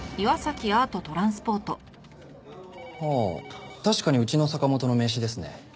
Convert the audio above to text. ああ確かにうちの坂本の名刺ですね。